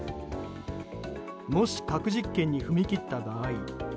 もし核実験に踏み切った場合